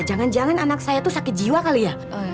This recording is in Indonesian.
jangan jangan anak saya itu sakit jiwa kali ya